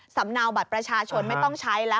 สำเนาบัตรประชาชนไม่ต้องใช้แล้ว